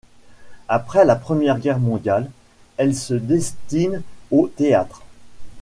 Après la Première Guerre mondiale, elle se destine au théâtre.